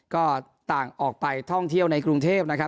ก็ต่างออกไปท่องเที่ยวในกรุงเทพนะครับ